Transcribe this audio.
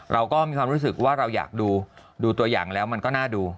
เราก็มีความรู้สึกว่าเราอยากดูดูตัวอย่างแล้วมันก็น่าดู